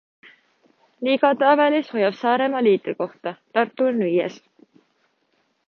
Liigatabelis hoiab Saaremaa liidrikohta, Tartu on viies.